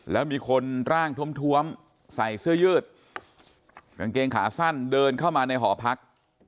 แล้วมีคนร่างทวมใส่เสื้อยืดกางเกงขาสั้นเดินเข้ามาในหอพัก